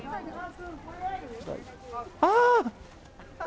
ああ。